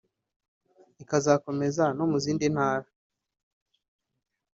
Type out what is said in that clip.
ikazakomeza no mu zindi Ntara